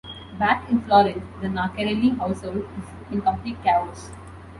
Back in Florence, the Naccarelli household is in complete chaos.